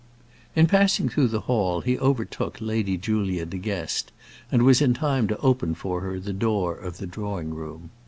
In passing through the hall he overtook Lady Julia De Guest, and was in time to open for her the door of the drawing room.